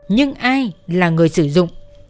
nhưng ai là người sử dụng